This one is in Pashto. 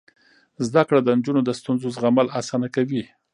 زده کړه د نجونو د ستونزو زغمل اسانه کوي.